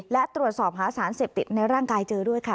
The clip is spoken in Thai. และตรวจสอบหาสารเสพติดในร่างกายเจอด้วยค่ะ